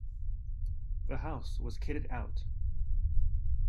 The house was kitted out.